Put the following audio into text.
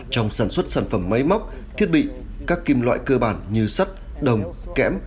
trong sản xuất sản phẩm máy móc thiết bị các kim loại cơ bản như sắt đồng kẽm